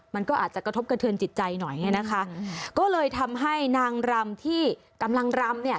มันก็อาจจะกระทบกระเทือนจิตใจหน่อยเนี่ยนะคะก็เลยทำให้นางรำที่กำลังรำเนี่ย